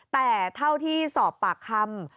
แต่เท่าที่สอบปากคำ